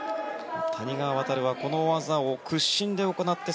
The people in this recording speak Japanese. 谷川航はこの技を屈身で行って